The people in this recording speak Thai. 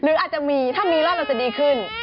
หรืออาจจะมีถ้ามีรอดเราจะดีขึ้น